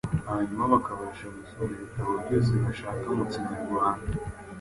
hanyuma bakabasha gusoma ibitabo byose bashaka mu kinyarwanda.